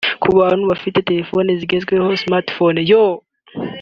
Ku bantu bafite telefone zigezweho (smart phone)